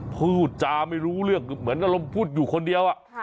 พูดจาไม่รู้เรื่องเหมือนอารมณ์พูดอยู่คนเดียว